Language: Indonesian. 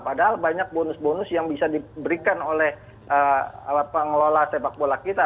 padahal banyak bonus bonus yang bisa diberikan oleh pengelola sepak bola kita